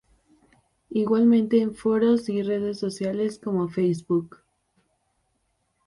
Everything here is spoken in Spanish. Igualmente en foros y redes sociales como "Facebook".